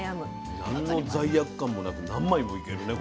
なんの罪悪感もなく何枚もいけるね